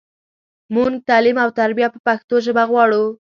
مونږ تعلیم او تربیه په پښتو ژبه غواړو